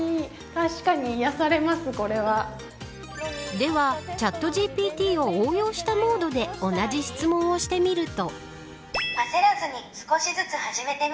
ではチャットＧＰＴを応用したモードで同じ質問をしてみると。